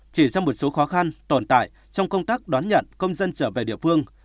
chỉ ra một số khó khăn tồn tại trong công tác đón nhận công dân trở về địa phương